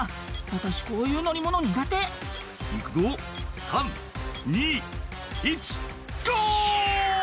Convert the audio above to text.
「私こういう乗り物苦手」「行くぞ３・２・１ゴー！」